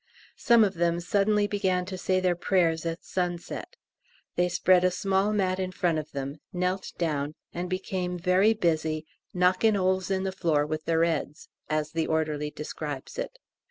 Some of them suddenly began to say their prayers at sunset. They spread a small mat in front of them, knelt down, and became very busy "knockin' 'oles in the floor with their 'eads," as the orderly describes it.